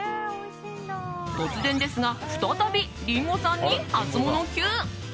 突然ですが再びリンゴさんにハツモノＱ！